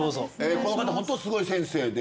この方ホントすごい先生で。